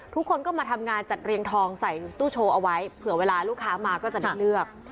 ทุกคนก็มาทำงานจัดเรียงทองใส่ตู้โชว์เอาไว้เผื่อเวลาลูกค้ามาก็จะได้เลือก